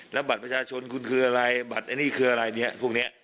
แล้วบัตรประชาชนคุณคืออะไรบัตรไอ้นี่คืออะไรเนี่ยพวกนี้